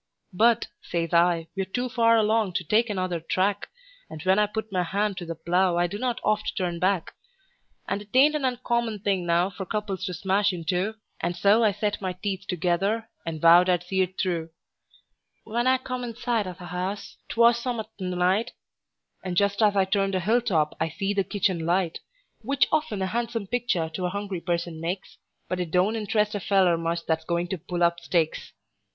"But," says I, "we're too far along to take another track, And when I put my hand to the plow I do not oft turn back; And 'tain't an uncommon thing now for couples to smash in two;" And so I set my teeth together, and vowed I'd see it through. When I come in sight o' the house 'twas some'at in the night, And just as I turned a hill top I see the kitchen light; "AND JUST AS I TURNED A HILL TOP I SEE THE KITCHEN LIGHT." Which often a han'some pictur' to a hungry person makes, But it don't interest a feller much that's goin' to pull up stakes.